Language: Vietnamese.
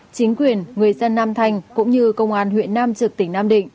chính quyền người dân nam thanh cũng như công an huyện nam trực tỉnh nam định